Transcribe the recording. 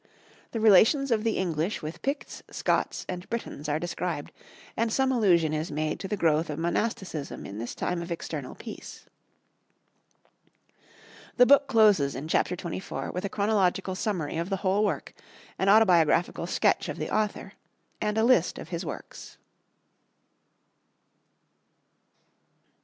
The relations of the English with Picts, Scots, and Britons are described, and some allusion is made to the growth of monasticism in this time of external peace. The book closes in Chapter 24 with a chronological summary of the whole work, an autobiographical sketch of the author, and a list of his works.